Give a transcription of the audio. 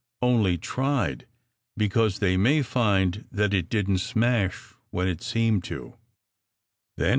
Only tried, because they may find that it didn t smash when it seemed to